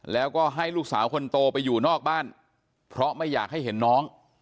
แล้วก็ให้ลูกสาวคนโตไปอยู่นอกบ้านเพราะไม่อยากให้เห็นน้อง